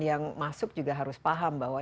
yang masuk juga harus paham bahwa